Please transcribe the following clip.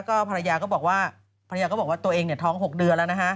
ภรรยาก็บอกว่าภรรยาก็บอกว่าตัวเองเนี่ยท้อง๖เดือนแล้วนะฮะ